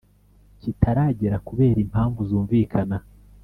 kitaragera kubera impamvu zumvikana